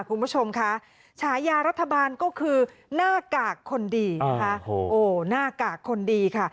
คุณผู้ชมคะฉายารัฐบาลก็คือหน้ากากคนดีนะคะโอ้หน้ากากคนดีค่ะ